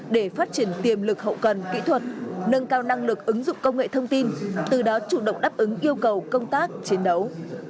để phát triển tiềm lực hậu cần kỹ thuật nâng cao năng lực ứng dụng công nghệ thông tin từ đó chủ động đáp ứng yêu cầu công tác chiến đấu